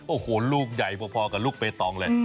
โอ้โหลูกใหญ่พอกับลูกเปตองเลย